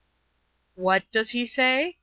" What does he say ?